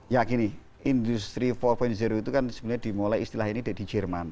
ya gini industri empat itu kan sebenarnya dimulai istilahnya ini dari jerman